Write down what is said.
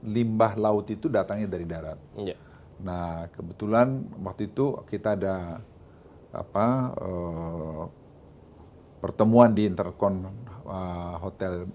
limbah laut itu datangnya dari darat nah kebetulan waktu itu kita ada apa pertemuan di interkon hotel